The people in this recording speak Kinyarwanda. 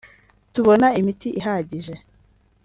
tubona imiti ihagije